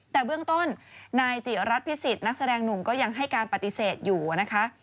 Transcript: แต่เบื้องต้นนายจิรัตนพิสิทธิ์นักแสดงหนุ่มก็ยังให้การปฏิเสธอยู่นะคะ